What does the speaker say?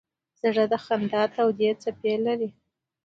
زړه د خندا تودې څپې لري.